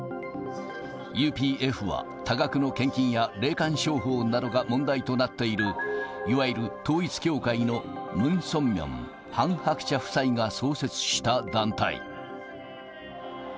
ＵＰＦは多額の献金や霊感商法などが問題となっている、いわゆる統一教会のムン・ソンミョン、ハン・ハクチャ夫妻が創設した団体。